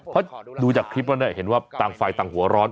พอดูจากคลิปว่านั้นเนี่ยเห็นว่าตั้งฝ่ายตั้งหัวร้อน